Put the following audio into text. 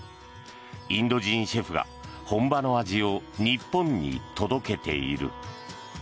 インド人シェフが本場の味を日本に届けている。